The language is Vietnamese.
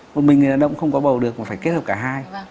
một mình người đàn ông cũng không có bầu được mà phải kết hợp cả hai